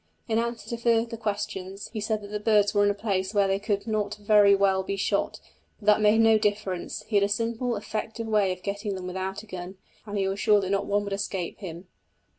In answer to further questions, he said that the birds were in a place where they could not very well be shot, but that made no difference; he had a simple, effective way of getting them without a gun, and he was sure that not one would escape him.